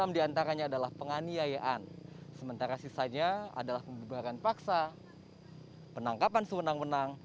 enam puluh enam diantaranya adalah penganiayaan sementara sisanya adalah pembubaran paksa penangkapan semenang menang